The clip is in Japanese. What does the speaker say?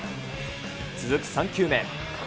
続く３球目。